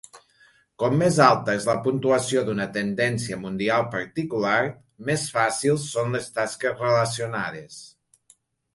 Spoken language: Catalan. Com més alta és la puntuació d'una tendència mundial particular, més fàcils són les tasques relacionades.